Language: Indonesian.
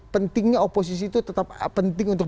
pentingnya oposisi itu tetap penting untuk